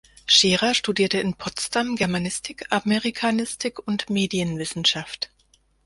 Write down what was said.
Scheerer studierte in Potsdam Germanistik, Amerikanistik und Medienwissenschaft.